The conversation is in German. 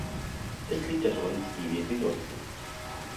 Es liegt an uns, wie wir sie nutzen.